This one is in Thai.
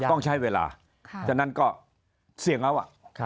ทำนั้นก็เสี่ยงแล้ว